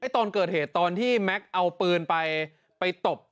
ตอนเกิดเหตุตอนที่แม็กซ์เอาปืนไปตบ